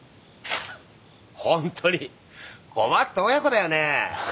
ホントに困った親子だよね。